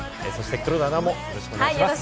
黒田アナもよろしくお願いします。